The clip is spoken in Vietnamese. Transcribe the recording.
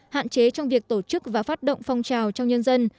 hạn chế trong việc tổ chức và phát động phong trào trong nhân dân